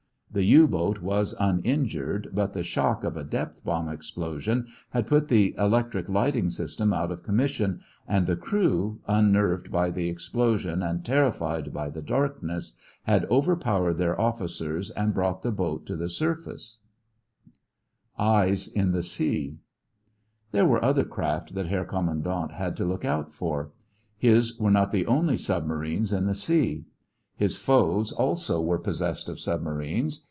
The U boat was uninjured, but the shock of a depth bomb explosion had put the electric lighting system out of commission, and the crew, unnerved by the explosion and terrified by the darkness, had overpowered their officers and brought the boat to the surface. [Illustration: A French Hydrophone Installation with which the presence of Submarines was detected] EYES IN THE SEA There were other craft that Herr Kommandant had to look out for. His were not the only submarines in the sea. His foes also were possessed of submarines.